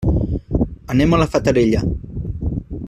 Anem a la Fatarella.